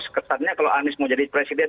kesannya kalau anies mau jadi presiden